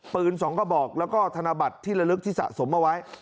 ปืน๒กระบอกแล้วก็ธนบัตรที่ระลึกที่สะสมเอาไว้